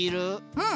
うん。